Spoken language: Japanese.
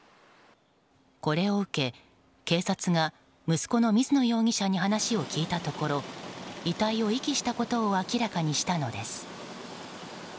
これを受け、警察が息子の水野容疑者に話を聞いたところ遺体を遺棄したことを明らかにしたのです。